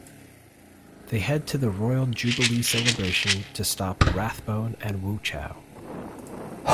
They head to the Royal Jubilee celebration to stop Rathbone and Wu Chow.